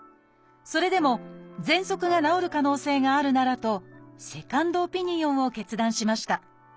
それでもぜんそくが治る可能性があるならとセカンドオピニオンを決断しました。